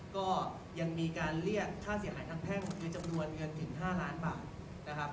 ก็ยังมีการเรียกค่าเสียหายทั้งในจำนวนเงินถึง๕ล้านบาท